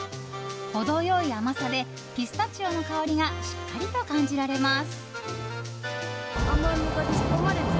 程良い甘さでピスタチオの香りがしっかりと感じられます。